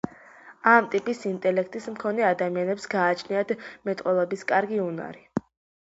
ამ ტიპის ინტელექტის მქონე ადამიანებს გააჩნიათ მეტყველების კარგი უნარი.